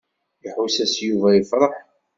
Iḥuss-as Yuba yefṛeḥ.